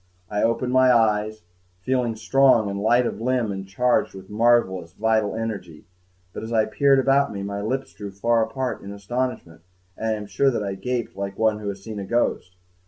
I opened my eyes, feeling strong and light of limb and charged with a marvelous vital energy but, as I peered about me, my lips drew far apart in astonishment, and I am sure that I gaped like one who has seen a ghost.